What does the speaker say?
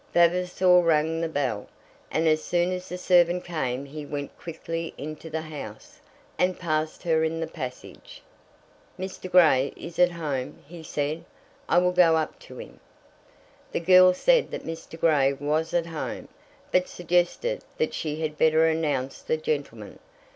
Vavasor rang the bell, and as soon as the servant came he went quickly into the house, and passed her in the passage. "Mr. Grey is at home," he said. "I will go up to him." The girl said that Mr. Grey was at home, but suggested that she had better announce the gentleman.